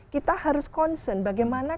kita harus concern bagaimana